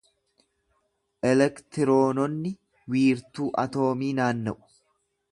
Ilektiroononni wiirtuu atoomii naanna’u.